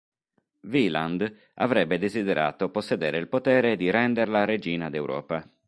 Wieland avrebbe desiderato possedere il potere di renderla regina d'Europa.